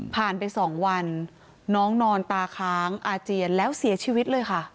ไป๒วันน้องนอนตาค้างอาเจียนแล้วเสียชีวิตเลยค่ะ